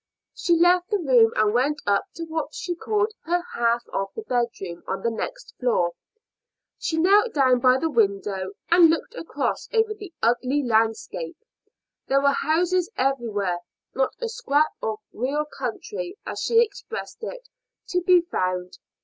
She left the room and went up to what she called her half of the bedroom on the next floor. She knelt down by the window and looked across over the ugly landscape. There were houses everywhere not a scrap of real country, as she expressed it, to be found.